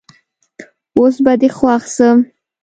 اوس به دي خوښ سم